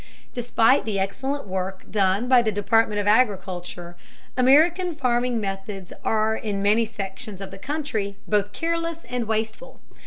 Despite the excellent work done by the Department of Agriculture, American farming methods are in many sections of the country both careless and wasteful.